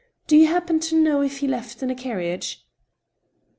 ... Do you happen to know if he left in a carriage